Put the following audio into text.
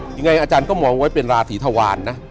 หรือไรอาจารย์ก็หมอไว้เป็นราศีทวานนะ